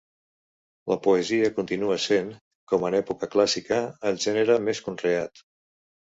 La poesia continua sent, com en època clàssica, el gènere més conreat.